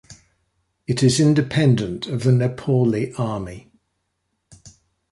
It is independent of the Nepali Army.